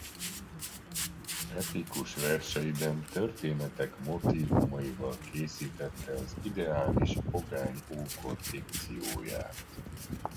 Epikus verseiben történetek motívumaival készítette az ideális pogány ókor fikcióját.